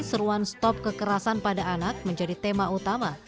seruan stop kekerasan pada anak menjadi tema utama